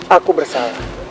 kalawika aku bersalah